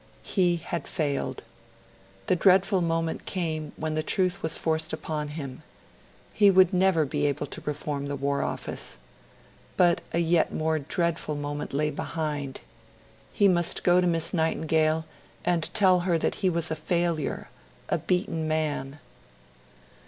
He had failed. The dreadful moment came when the truth was forced upon him: he would never be able to reform the War Office. But a yet more dreadful moment lay behind; he must go to Miss Nightingale and tell her that he was a failure, a beaten man.